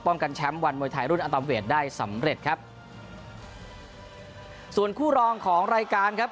กันแชมป์วันมวยไทยรุ่นอัตเวทได้สำเร็จครับส่วนคู่รองของรายการครับ